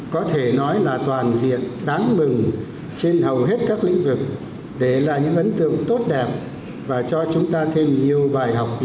có thể nói là toàn diện đáng mừng trên hầu hết các lĩnh vực để lại những ấn tượng tốt đẹp và cho chúng ta thêm nhiều bài học